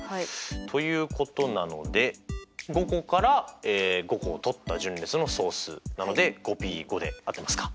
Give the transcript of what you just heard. ということなので５個から５個をとった順列の総数なので５Ｐ５で合ってますか？